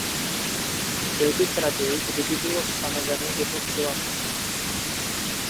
Byl bych raději, kdyby bylo stanoveno, že to udělat musí.